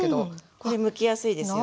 これむきやすいですよね。